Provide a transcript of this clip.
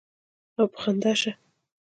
او پۀ خندا شۀ ـ